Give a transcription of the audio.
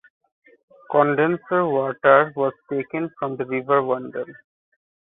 Condenser water was taken from the River Wandle.